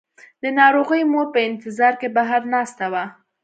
د ناروغې مور په انتظار کې بهر ناسته وه.